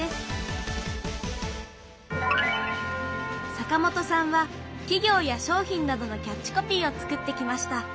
坂本さんは企業や商品などのキャッチコピーを作ってきました。